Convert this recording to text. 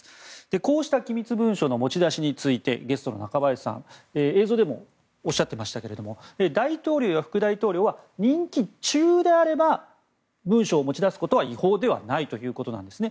こうした機密文書の持ち出しについてゲストの中林さん映像でもおっしゃっていましたが大統領や副大統領は任期中であれば文書を持ち出すことは違法ではないということなんですね。